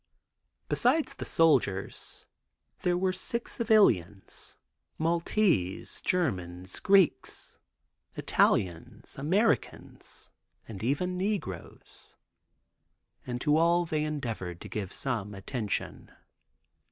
Besides the soldiers, there were sick civilians, Maltese, Germans, Greeks, Italians, Americans and even negroes, and to all they endeavored to give some attention.